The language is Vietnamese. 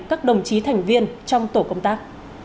các đồng chí thành viên trong tổ công tác